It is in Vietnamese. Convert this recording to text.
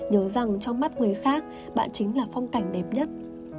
nhớ rằng trong mắt người khác bạn chính là phong cảnh đẹp nhất